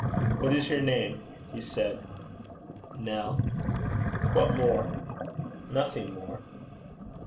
'What is your name?' he said. 'Nell.' 'What more?' 'Nothing more.'